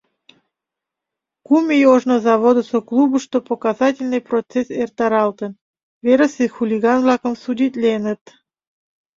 Кум ий ожно заводысо клубышто показательный процесс эртаралтын, верысе хулиган-влакым судитленыт.